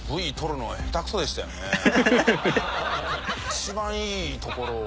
一番いいところを。